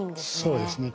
そうですね。